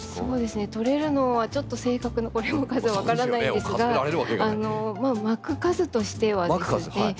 取れるのはちょっと正確なこれも数は分からないんですがまく数としてはですね